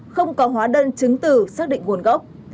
không có hóa đơn chứng từ xác định nguồn gốc